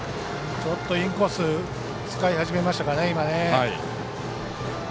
ちょっとインコース使い始めましたかね。